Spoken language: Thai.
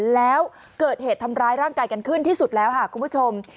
แล้วเกิดเหตุทำร้ายร่างกายกันขึ้นที่สุดแล้วค่ะคุณผู้ชม